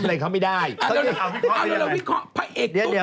ว่าเขาอะไรแค่